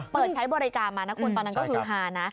เปิดใช้บริการมานะคุณตอนนั้นก็คือฮานะ